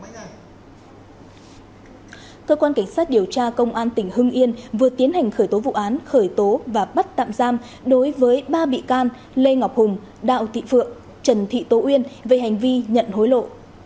cơ quan cảnh sát điều tra công an tỉnh hưng yên vừa tiến hành khởi tố vụ án khởi tố và bắt tạm giam đối với ba bị can lê ngọc hùng đạo thị phượng trần thị tố uyên về hành vi nhận hối lộ